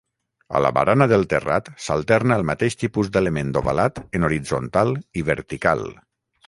A la barana del terrat s'alterna el mateix tipus d'element ovalat en horitzontal i vertical.